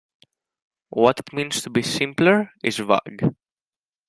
What it means to be "simpler" is vague.